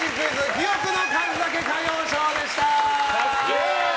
記憶の数だけ歌謡ショーでした。